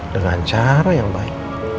dengan cara yang baik